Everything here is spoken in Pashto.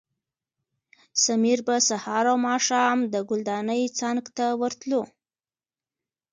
سمیر به سهار او ماښام د ګلدانۍ څنګ ته ورتلو.